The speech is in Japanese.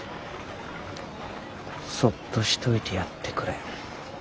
そっとしといてやってくれ。